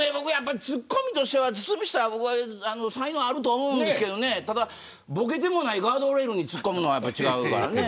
ツッコミとしては堤下才能あると思うんですけどねただ、ボケてもないガードレールに突っ込むのは違うと思うからね